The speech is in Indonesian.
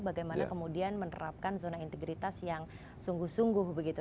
bagaimana kemudian menerapkan zona integritas yang sungguh sungguh begitu